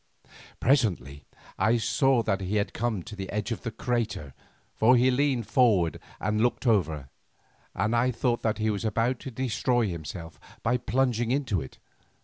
Presently I saw that he had come to the edge of the crater, for he leaned forward and looked over, and I thought that he was about to destroy himself by plunging into it.